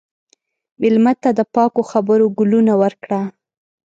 مېلمه ته د پاکو خبرو ګلونه ورکړه.